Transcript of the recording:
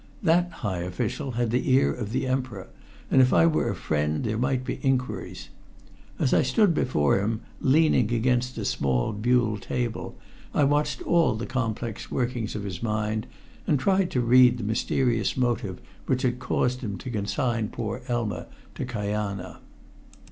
That high official had the ear of the Emperor, and if I were a friend there might be inquiries. As I stood before him leaning against a small buhl table, I watched all the complex workings of his mind, and tried to read the mysterious motive which had caused him to consign poor Elma to Kajana.